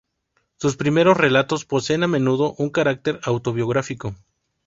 Sus primeros relatos poseen a menudo un carácter autobiográfico.